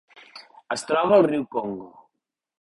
Es troba al riu Congo.